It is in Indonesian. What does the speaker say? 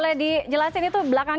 terima kasih baiklah sorry